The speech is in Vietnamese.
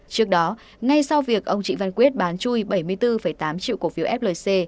trước đó ngay sau việc ông trịnh văn quyết bán chui bảy mươi bốn tám triệu cổ phiếu flc